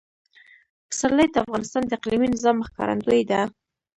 پسرلی د افغانستان د اقلیمي نظام ښکارندوی ده.